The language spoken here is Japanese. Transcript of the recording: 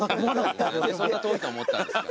何でそんな遠いと思ったんですか。